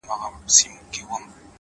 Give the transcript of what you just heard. دغه دی ويې گوره دا لونگ ښه يمه!!